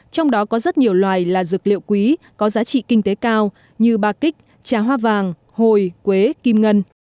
trong đó có rất nhiều loài là dược liệu quý có giá trị kinh tế cao như ba kích trà hoa vàng hồi quế kim ngân